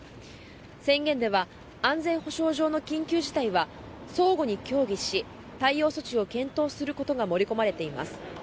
宣言では安全保障上の緊急事態は相互に協議し対応措置を検討することが盛り込まれています。